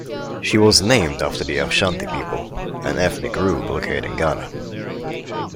She was named after the Ashanti people, an ethnic group located in Ghana.